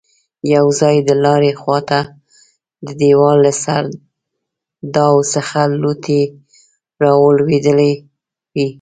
يو ځای د لارې خواته د دېوال له سرداو څخه لوټې رالوېدلې وې.